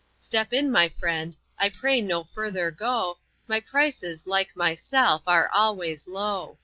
Step in, my friend, I pray no further go, My prices, like myself, are always low."